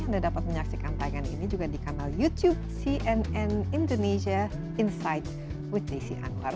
anda dapat menyaksikan tanggainya juga di youtube channel cnn indonesia insights with desi anwar